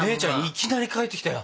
いきなり帰ってきたよ。